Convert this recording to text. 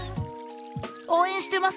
応援してます！